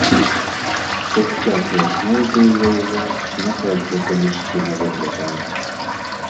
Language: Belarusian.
То ж як вясной быў я ў вас, не так гэта мясціна выглядала!